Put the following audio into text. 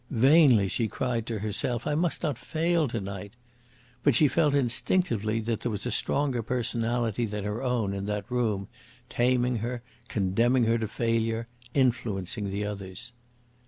Vainly she cried to herself, "I must not fail to night." But she felt instinctively that there was a stronger personality than her own in that room, taming her, condemning her to failure, influencing the others.